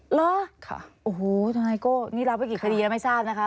เหรอโอ้โหทนายโก้นี่รับไว้กี่คดีแล้วไม่ทราบนะคะ